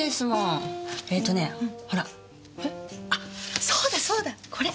あっそうだそうだこれ。